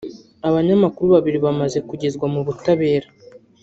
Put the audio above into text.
abanyamakuru babiri bamaze kugezwa mu butabera